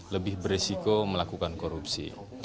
lebih beresiko melakukan korupsi